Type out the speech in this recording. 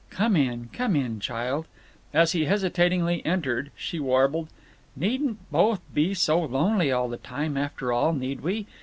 "Come in, come in, child." As he hesitatingly entered she warbled: "Needn't both be so lonely all the time, after all, need we?